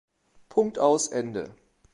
Punkt, aus, Ende.